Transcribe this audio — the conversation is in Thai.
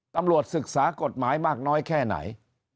ตำรวจศึกษากฎหมายมากน้อยแค่ไหน